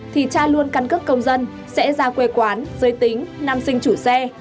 thì cha luôn cắn cước công dân sẽ ra quê quán giới tính nằm sinh chủ xe